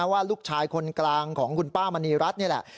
ว่าลูกชายคนกลางของคุณป้ามณีรัฐนี่แหละ